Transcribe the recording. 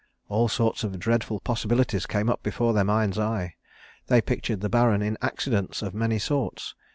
All sorts of dreadful possibilities came up before their mind's eye. They pictured the Baron in accidents of many sorts.